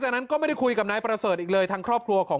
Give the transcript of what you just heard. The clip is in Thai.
จากนั้นก็ไม่ได้คุยกับนายประเสริฐอีกเลยทางครอบครัวของ